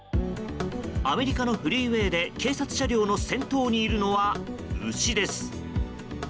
アメリカのフリーウェーで警察車両の先頭にいるのは牛です。